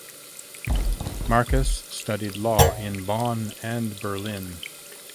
Marcus studied law in Bonn and Berlin.